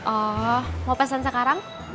oh mau pesan sekarang